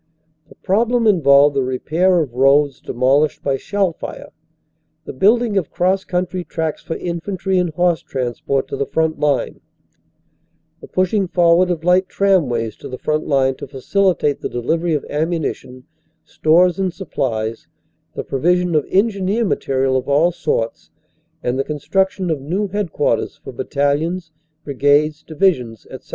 The problem involved the repair of roads demolished by shell fire; the building of cross coun try tracks for infantry and horse transport to the front line; the pushing forward of light tramways to the front line to facilitate the delivery of ammunition, stores and supplies; the provision of engineer material of all sorts and the construction of new headquarters for battalions, brigades, divisions, etc.